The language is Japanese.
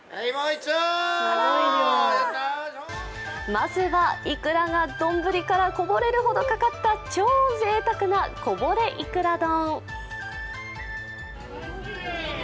まずは、いくらが丼からこぼれるほどかかった超ぜいたくなこぼれいくら丼。